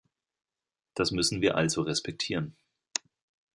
Das müssen wir also respektieren.